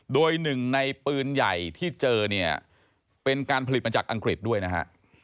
โดยหนึ่งในปืนใหญ่ที่เจอเนี่ยเป็นการผลิตมาจากอังกฤษด้วยนะฮะ